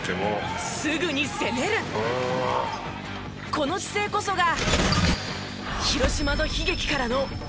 この姿勢こそが。